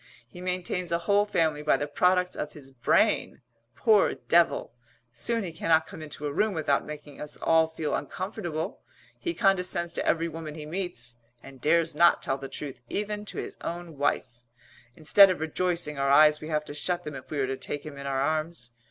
He maintains a whole family by the products of his brain poor devil! Soon he cannot come into a room without making us all feel uncomfortable; he condescends to every woman he meets, and dares not tell the truth even to his own wife; instead of rejoicing our eyes we have to shut them if we are to take him in our arms.